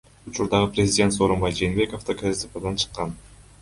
Учурдагы президент Сооронбай Жээнбеков да КСДПдан чыккан.